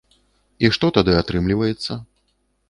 І што тады атрымліваецца?